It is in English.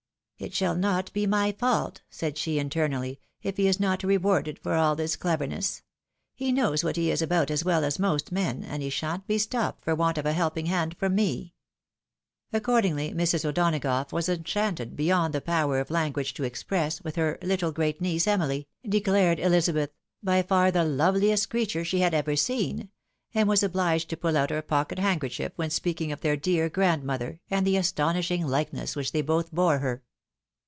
" It shall not be my fault," said she, internally, "if he is not rewarded for all this cleverness. He knows what he is about as well as most men, and he shan't be stopped for want of a helping hand from me." Accordingly Mrs. O'Donagough was enchanted, beyond the power of language to express, with her "little great niece, Emily," declared Elizabeth " by far the loveliest creature she had ever seen," and was obliged to pull out her pocket hand kerchief when speaking of their dear grandmother, and the astonishing likeness which they both bore her.